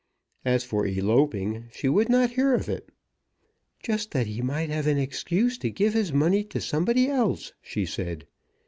As for eloping, she would not hear of it. "Just that he might have an excuse to give his money to somebody else," she said.